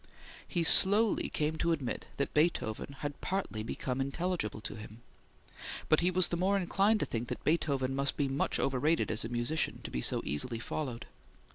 He slowly came to admit that Beethoven had partly become intelligible to him, but he was the more inclined to think that Beethoven must be much overrated as a musician, to be so easily followed.